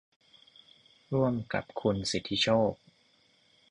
ร่วมกับคุณสิทธิโชค